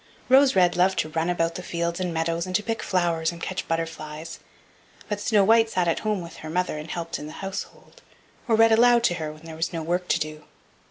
Rose red loved to run about the fields and meadows, and to pick flowers and catch butterflies; but Snow white sat at home with her mother and helped her in the household, or read aloud to her when there was no work to do.